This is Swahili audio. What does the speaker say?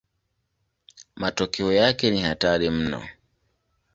Matokeo yake ni hatari mno.